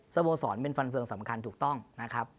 สโมสรเป็นฟันเฟืองสำคัญถูกต้องนะครับ